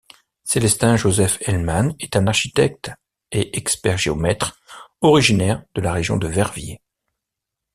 Célestin Joseph Helman est un architecte et expert-géomètre originaire de la région de Verviers.